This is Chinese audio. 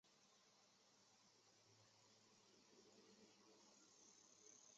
多斑凯基介为真花介科凯基介属下的一个种。